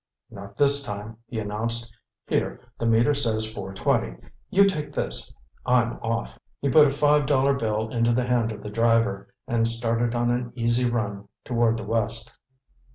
"Not this time," he announced. "Here, the meter says four twenty you take this, I'm off." He put a five dollar bill into the hand of the driver and started on an easy run toward the west.